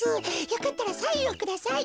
よかったらサインをください。